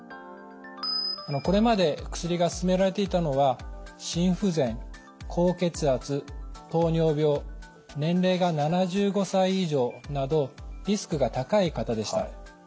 これまで薬が勧められていたのは心不全高血圧糖尿病年齢が７５歳以上などリスクが高い方でした。